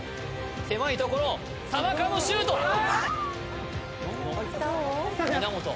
狭いところを田中のシュート小野稲本